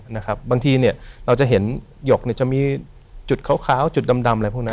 ว่าบางทีเราจะเห็นหยกนี่จะมีจุดขาวจุดดำอะไรพวกนั้น